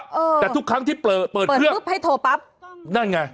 เออแต่ทุกครั้งที่เปิดเปิดเครื่องปุ๊บให้โทรปั๊บนั่นไง